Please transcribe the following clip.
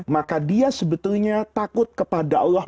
maka dia sebetulnya takut kepada allah